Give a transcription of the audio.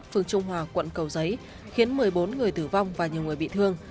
phường trung hòa quận cầu giấy khiến một mươi bốn người tử vong và nhiều người bị thương